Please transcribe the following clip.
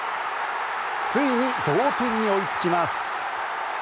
ついに同点に追いつきます。